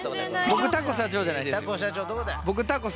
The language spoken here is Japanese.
僕タコ社長じゃないです。